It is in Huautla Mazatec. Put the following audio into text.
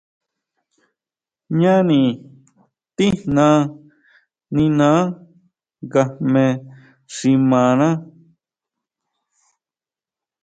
Jñáni tijna niná nga jme xi kjimaná.